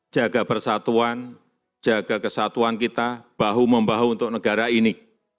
jaga persatuan jaga kesatuan kita bahu membahu untuk negara ini